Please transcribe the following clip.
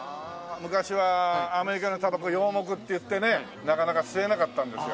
昔はアメリカのたばこ洋もくっていってねなかなか吸えなかったんですよ。